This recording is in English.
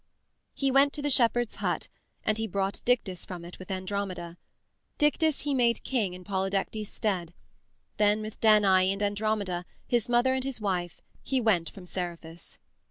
He went to the shepherd's hut, and he brought Dictys from it with Andromeda. Dictys he made king in Polydectes's stead. Then with Danae and Andromeda, his mother and his wife, he went from Seriphus.